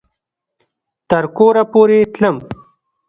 تر کوره پورې تلم